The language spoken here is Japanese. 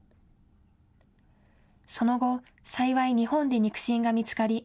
その後、幸い日本で肉親が見つかり